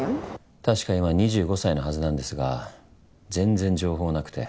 確か今２５歳のはずなんですが全然情報なくて。